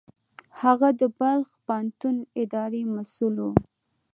هغه د بلخ پوهنتون اداري مسوول و.